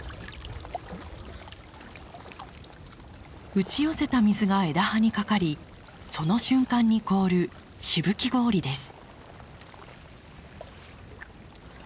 打ち寄せた水が枝葉にかかりその瞬間に凍るしぶき氷です。